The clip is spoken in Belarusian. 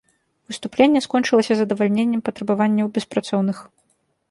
Выступленне скончылася задавальненнем патрабаванняў беспрацоўных.